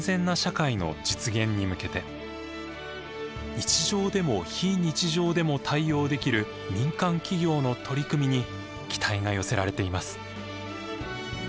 日常でも非日常でも対応できる民間企業の取り組みに期待が寄せられています。